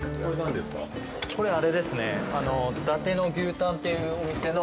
これあれですね。